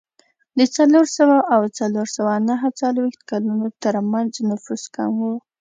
د څلور سوه او څلور سوه نهه څلوېښت کلونو ترمنځ نفوس کم و.